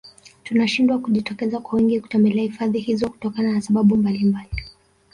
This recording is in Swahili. Tunashindwa kujitokeza kwa wingi kutembelea hifadhi hizo kutokana na sababu mbalimbali